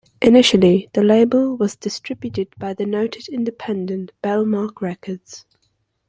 Initially the label was distributed by the noted independent Bellmark Records.